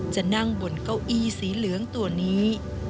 จะนั่งบนเก้าอี้สีเหลืองตัวนี้